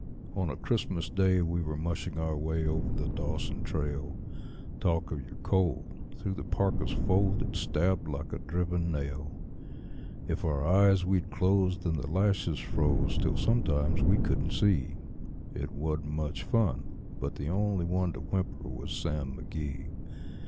On a Christmas Day we were mushing our way over the Dawson trail. Talk of your cold! through the parka's fold it stabbed like a driven nail. If our eyes we'd close, then the lashes froze till sometimes we couldn't see; It wasn't much fun, but the only one to whimper was Sam McGee.